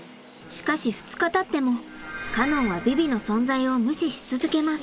しかし２日たってもカノンはヴィヴィの存在を無視し続けます。